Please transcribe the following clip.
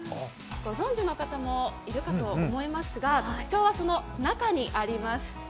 ご存じの方もいるかと思いますが特徴は中にあります。